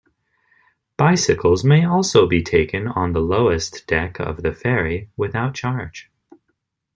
Bicycles may also be taken on the lowest deck of the ferry without charge.